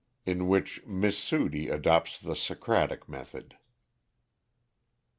_In which Miss Sudie Adopts the Socratic Method.